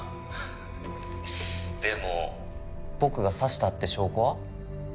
「フフフフ」でも僕が刺したって証拠は？